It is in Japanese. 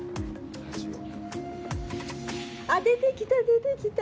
あっ、出てきた、出てきた。